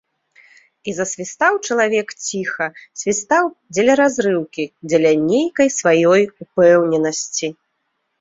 І засвістаў чалавек ціха, свістаў дзеля разрыўкі, дзеля нейкай сваёй упэўненасці.